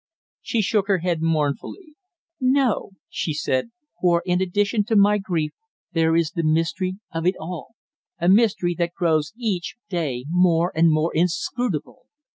She shook her head mournfully. "No," she said, "for in addition to my grief there is the mystery of it all a mystery that grows each day more and more inscrutable."